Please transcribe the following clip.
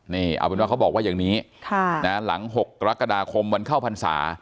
นี่เอาเป็นว่าเขาบอกว่าอย่างนี้หลัง๖กรกฎาคมวันเข้าพรรษา